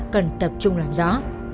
cần tập trung làm rõ